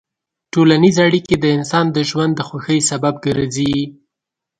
ټولنیز اړیکې د انسان د ژوند د خوښۍ سبب ګرځي.